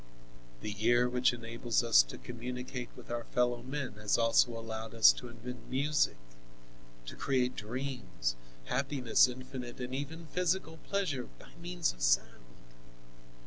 The ear, which enables us to communicate with our fellow men, has also allowed us to invent music, to create dreams, happiness, infinite and even physical pleasure by means of sound!